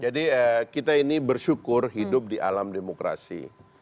jadi kita ini bersyukur hidup di alam demokrasi